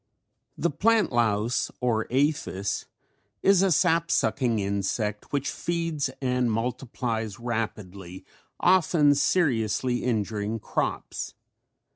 The plant louse or aphis is a sap sucking insect which feeds and multiplies rapidly often seriously injuring crops.